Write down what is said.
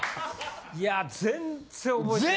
いや全然覚えてない。